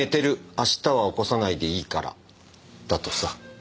明日は起こさないでいいから」だとさ。